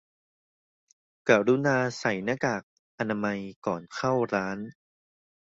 กรุณาใส่หน้ากากอนามัยก่อนเข้าร้าน